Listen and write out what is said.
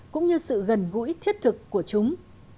cũng như sự gần gũi thiết thực của chúng